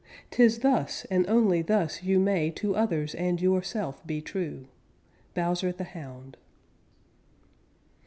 'Tis thus and only thus you may To others and yourself be true. _Bowser the Hound.